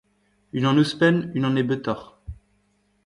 Unan ouzhpenn, unan nebeutoc'h.